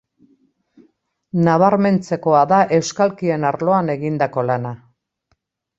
Nabarmentzekoa da euskalkien arloan egindako lana.